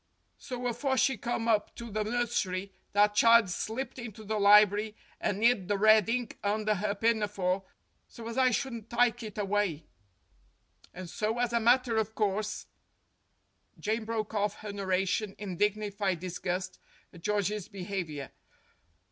So afore she come up to the nursery, that child slipped into the library and 'id the red ink under 'er pinafore so as I shouldn't tike it awye. And so, as a matter of course " Jane broke off her narration in dignified disgust at George's behavior.